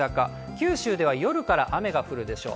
九州では夜から雨が降るでしょう。